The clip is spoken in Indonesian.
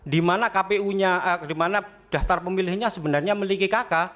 di mana daftar pemilihnya sebenarnya meliki kk